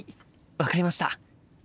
分かりました。